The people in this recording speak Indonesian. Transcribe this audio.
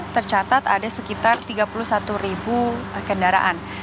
tercatat ada sekitar tiga puluh satu ribu kendaraan